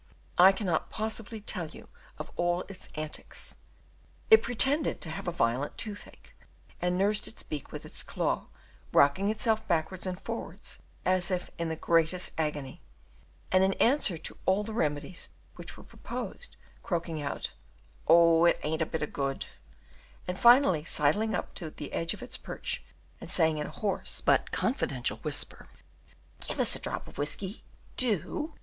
I cannot possibly tell you of all its antics: it pretended to have a violent toothache, and nursed its beak in its claw, rocking itself backwards and forwards as if in the greatest agony, and in answer to all the remedies which were proposed, croaking out, "Oh, it ain't a bit of good," and finally sidling up, to the edge of its perch, and saying in hoarse but confidential whisper, "Give us a drop of whisky, do."